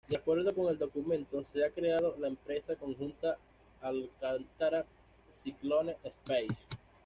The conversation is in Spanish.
De acuerdo con el documento se ha creado la empresa conjunta Alcántara Cyclone Space.